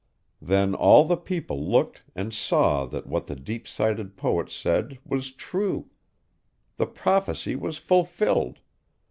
Then all the people looked and saw that what the deep sighted poet said was true. The prophecy was fulfilled.